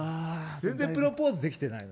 全然プロポーズできてないよ。